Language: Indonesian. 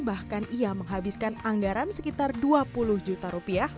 bahkan ia menghabiskan anggaran sekitar dua puluh juta rupiah